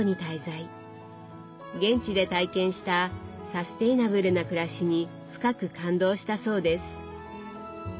現地で体験した「サステイナブルな暮らし」に深く感動したそうです。